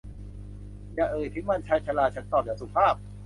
อย่าเอ่ยถึงมัน ชายชรา ฉันตอบอย่างสุภาพ